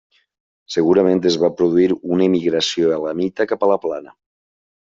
Segurament es va produir una emigració elamita cap a la plana.